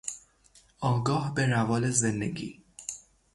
آگاه به روال زندگی